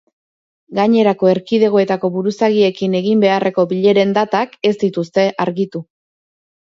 Gainerako erkidegoetako buruzagiekin egin beharreko bileren datak ez dituzte argitu.